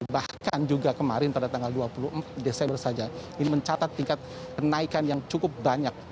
bahkan juga kemarin pada tanggal dua puluh empat desember saja ini mencatat tingkat kenaikan yang cukup banyak